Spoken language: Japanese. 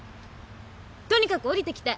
とにかく下りてきて！